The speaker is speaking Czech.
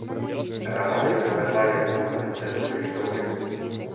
Ráda bych uvedla jednu velice důležitou věc.